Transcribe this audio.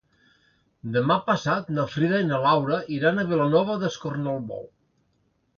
Demà passat na Frida i na Laura iran a Vilanova d'Escornalbou.